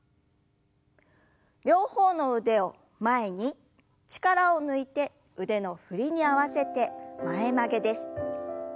両方の腕を前に力を抜いて腕の振りに合わせて前曲げです。